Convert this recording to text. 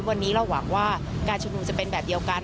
วันนี้เราหวังว่าการชุมนุมจะเป็นแบบเดียวกัน